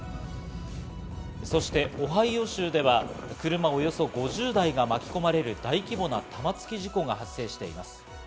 そして、オハイオ州では車およそ５０台が巻き込まれる大規模な玉突き事故が発生しています。